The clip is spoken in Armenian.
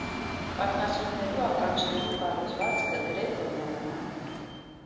Կաթնասուններու ականջներու կառուցուածքը գրեթէ միանման է։